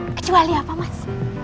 eh kecuali apa mas